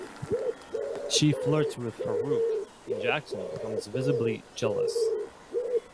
She flirts with Farooq and Jackson becomes visibly jealous.